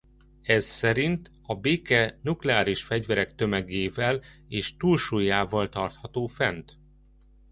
Ez szerint a béke nukleáris fegyverek tömegével és túlsúlyával tartható fent.